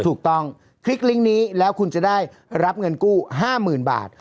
คลิกลิงก์นี้แล้วคุณจะได้รับเงินกู้๕๐๐๐บาท